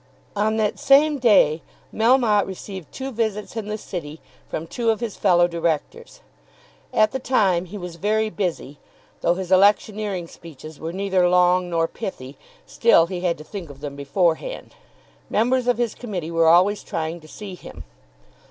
On that same day Melmotte received two visits in the city from two of his fellow directors. At the time he was very busy. Though his electioneering speeches were neither long nor pithy, still he had to think of them beforehand. Members of his Committee were always trying to see him.